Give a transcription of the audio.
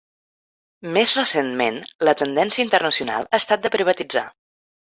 Més recentment, la tendència internacional ha estat de privatitzar.